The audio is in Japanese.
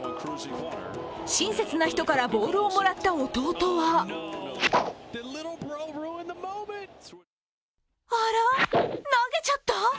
親切な人からボールをもらった弟はあら、投げちゃった？